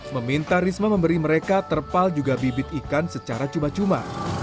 meminta risma memberi mereka terpal juga bibit ikan secara cuma cuma